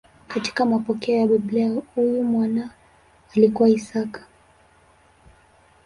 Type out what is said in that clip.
Katika mapokeo ya Biblia huyu mwana alikuwa Isaka.